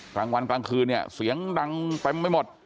กลางวันกลางคืนเนี่ยเสียงดังเต็มไปหมด